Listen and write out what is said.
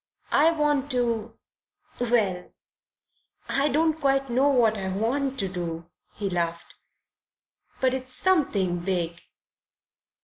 I want to well, I don't quite know what I want to do," he laughed, "but it's something big."